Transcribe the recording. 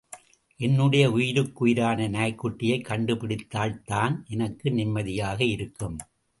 என்னுடைய உயிருக்குயிரான நாய்க்குட்டியைக் கண்டுபிடித்தால்தான் எனக்கு நிம்மதியாக இருக்கும்.